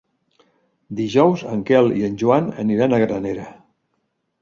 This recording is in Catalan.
Dijous en Quel i en Joan aniran a Granera.